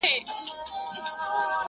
پرېږده په نغمو کي د بېړۍ د ډوبېدو کیسه؛